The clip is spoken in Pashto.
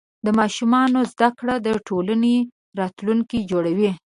د ماشومانو زده کړه د ټولنې راتلونکی جوړوي.